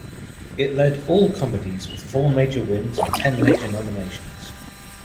It led all comedies with four major wins and ten major nominations.